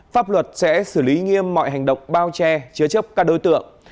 pháp luật sẽ xử lý nghiêm mọi hành động bao che chứa chấp các đối tượng